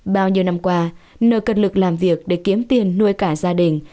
bao nhiêu năm qua nờ cần lực làm việc để kiếm tiền nuôi cả gia đình